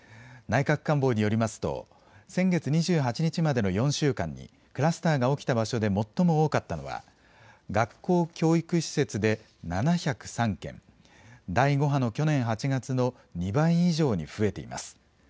内閣官房によりますと、先月２８日までの４週間に、クラスターが起きた場所で最も多かったのは、学校・教育施設で７０３件、第５波の去年８月の２倍以上に増えています。